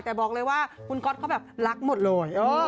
แต่บอกเลยว่าคุณก๊อตเขาแบบรักหมดเลย